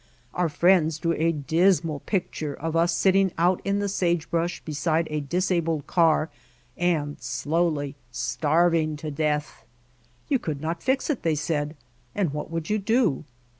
Our friends drew a dismal picture of us sitting out in the sagebrush beside a disabled car and slowly starving to death. "You could not fix it," they said, "and what would you do?"